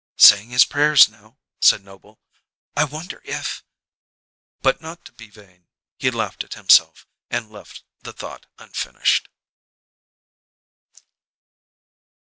"Saying his prayers now," said Noble. "I wonder if " But, not to be vain, he laughed at himself and left the thought unfinished.